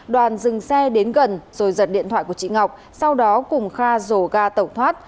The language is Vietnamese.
đoàn dừng xe đến gần rồi giật điện thoại của chị ngọc sau đó cùng kha dồ ga tẩu thoát